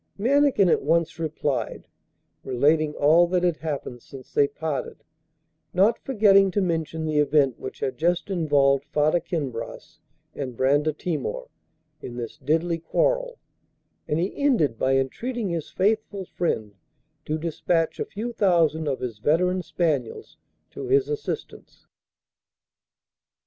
Mannikin at once replied, relating all that had happened since they parted, not forgetting to mention the event which had just involved Farda Kinbras and Brandatimor in this deadly quarrel, and he ended by entreating his faithful friend to despatch a few thousands of his veteran spaniels to his assistance.